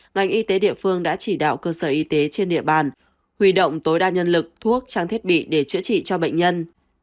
ngành y tế địa phương đã chỉ đạo cơ sở y tế trên địa bàn huy động tối đa nhân lực thuốc trang thiết bị để chữa trị cho bệnh nhân